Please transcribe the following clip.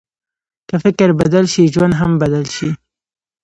که فکر بدل شي، ژوند هم بدل شي.